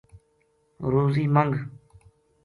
روزی منگ ـ